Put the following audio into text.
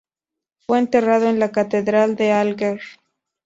Fue enterrado en la Catedral de Alguer.